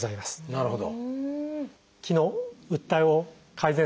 なるほど。